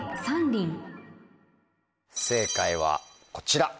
正解はこちら。